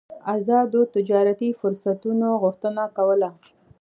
ازادو تجارتي فرصتونو غوښتنه کوله.